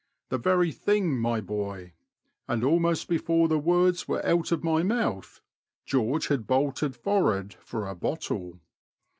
The very thing, my boy ;'* and almost before the words were out of my mouth, George had bolted forward for a bottle.